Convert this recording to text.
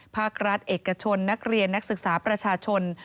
ภาครัฐเอกชนนักเรียนนักศึกษาประชาชน